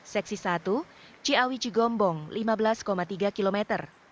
seksi satu ciawi cigombong lima belas tiga kilometer